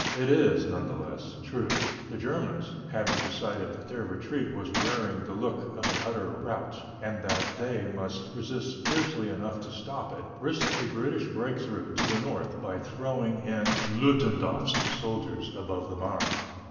It is, none the less, true. The Germans, having decided that their retreat was wearing the look of utter rout, and that they must resist fiercely enough to stop it, risked a British break through to the north by throwing in Ludendorf's prize soldiers above the Marne.